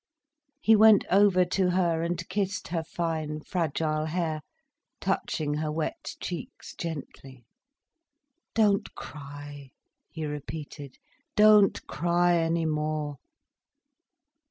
He went over to her and kissed her fine, fragile hair, touching her wet cheeks gently. "Don't cry," he repeated, "don't cry any more."